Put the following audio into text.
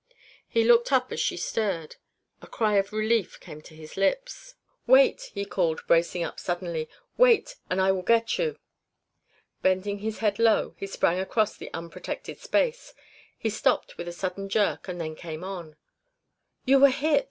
He looked up as she stirred; a cry of relief came to his lips. "Wait!" he called, bracing up suddenly. "Wait and I will get you." Bending his head low he sprang across the unprotected space. He stopped with a sudden jerk and then came on. "You were hit!"